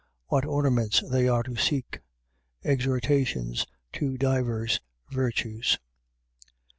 What ornaments they are to seek. Exhortations to divers Virtues.